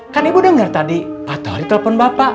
kan ibu denger tadi pak tauri telepon bapak